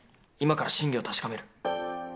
今から真偽を確かめる。